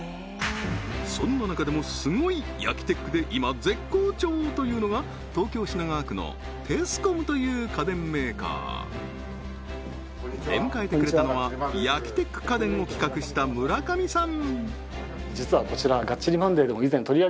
そんな中でもすごい焼きテックで今絶好調というのが東京・品川区のテスコムという家電メーカー出迎えてくれたのは焼きテック家電を企画した村上さん